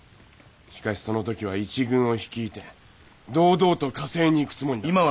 しかしその時は一軍を率いて堂々と加勢に行くつもりだ。